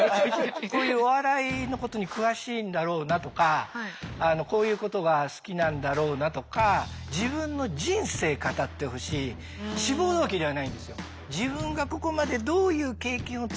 こういうお笑いのことに詳しいんだろうなとかこういうことが好きなんだろうなとかっていうのがあると思います。